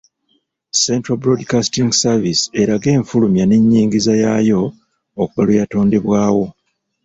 Central Broadcasting Service erage enfulumya n’ennyingiza yaayo okuva lwe yatondebwawo.